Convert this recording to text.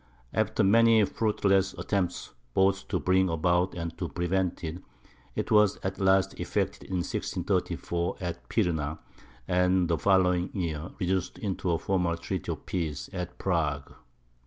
After many fruitless attempts both to bring about and to prevent it, it was at last effected in 1634, at Pirna, and, the following year, reduced into a formal treaty of peace, at Prague.